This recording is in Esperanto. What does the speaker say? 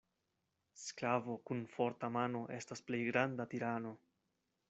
Sklavo kun forta mano estas plej granda tirano.